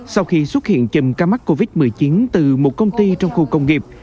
sau khi xuất hiện chùm ca mắc covid một mươi chín từ một công ty trong khu công nghiệp